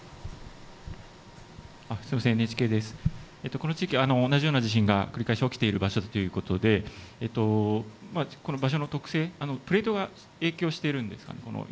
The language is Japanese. この地域、同じような地震が繰り返し起きている場所だということで場所の特性影響しているんですかね。